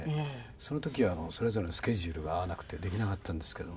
その時はそれぞれのスケジュールが合わなくてできなかったんですけど。